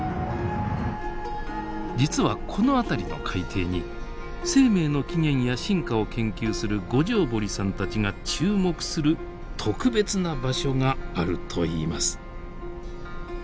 実はこの辺りの海底に生命の起源や進化を研究する五條堀さんたちが注目する特別な場所があるといいます。